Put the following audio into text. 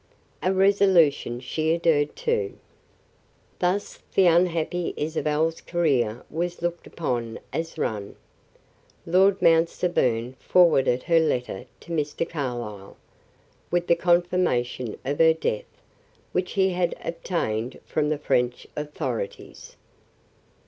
A resolution she adhered to. Thus the unhappy Isabel's career was looked upon as run. Lord Mount Severn forwarded her letter to Mr. Carlyle, with the confirmation of her death, which he had obtained from the French authorities.